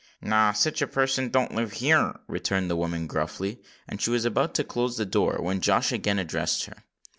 "No sich a person don't live here," returned the woman gruffly; and she was about to close the door, when Josh again addressed her.